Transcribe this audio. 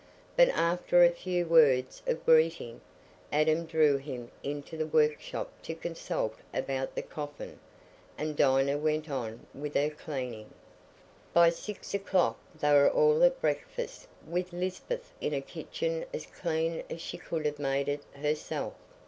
But after a few words of greeting, Adam drew him into the workshop to consult about the coffin, and Dinah went on with her cleaning. By six o'clock they were all at breakfast with Lisbeth in a kitchen as clean as she could have made it herself.